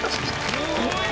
・すごい！